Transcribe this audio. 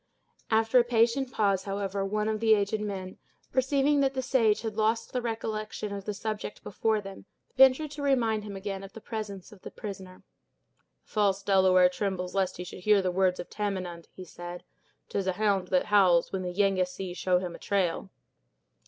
After a patient pause, however, one of the aged men, perceiving that the sage had lost the recollection of the subject before them, ventured to remind him again of the presence of the prisoner. "The false Delaware trembles lest he should hear the words of Tamenund," he said. "'Tis a hound that howls, when the Yengeese show him a trail."